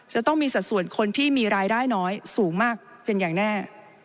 จะต้องมีสัดส่วนคนที่มีรายได้น้อยสูงมากเป็นอย่างแน่